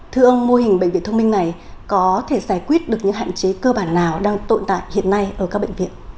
thưa ông mô hình bệnh viện thông minh này có thể giải quyết được những hạn chế cơ bản nào đang tồn tại hiện nay ở các bệnh viện